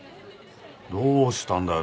どうしたんだよ？